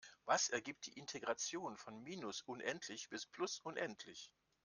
Was ergibt die Integration von minus unendlich bis plus unendlich?